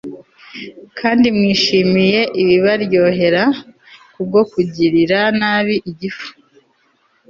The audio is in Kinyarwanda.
kandi mwishimiye ibibaryohera kubwo kugirira nabi igifu